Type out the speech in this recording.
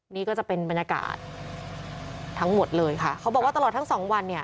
นี่ก็จะเป็นบรรยากาศทั้งหมดเลยค่ะเขาบอกว่าตลอดทั้งสองวันเนี่ย